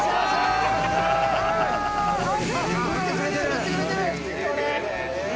・振ってくれてる。